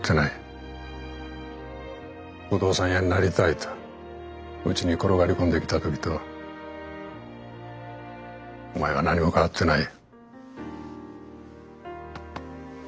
「不動産屋になりたい」とうちに転がり込んできた時とお前は何も変わってない。